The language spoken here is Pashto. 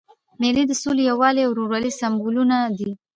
مېلې د سولي، یووالي او ورورولۍ سېمبولونه دي.